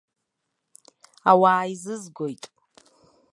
Ауаа еизызгоит.